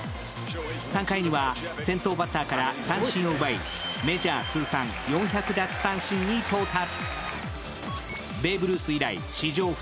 ３回には先頭バッターから三振を奪いメジャー通算４００奪三振に到達。